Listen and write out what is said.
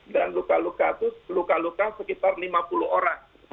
dan luka luka itu luka luka sekitar lima puluh orang